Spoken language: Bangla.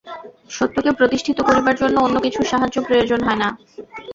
সত্যকে প্রতিষ্ঠিত করিবার জন্য অন্য কিছুর সাহায্য প্রয়োজন হয় না।